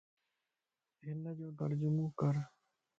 انَ جو ترجمو ڪَر